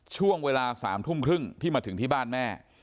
ช่วงเวลา๓ทุ่มครึ่งที่มาถึงที่บ้านแม่